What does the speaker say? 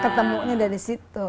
ketemunya dari situ